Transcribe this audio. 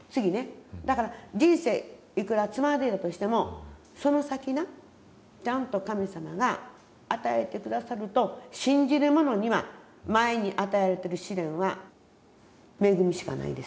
だから人生いくらつまずいたとしてもその先なちゃんと神様が与えて下さると信じる者には前に与えられている試練は恵みしかないですね。